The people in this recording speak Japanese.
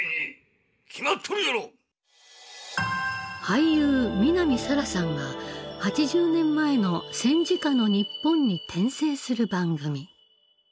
俳優南沙良さんが８０年前の戦時下の日本に転生する番組。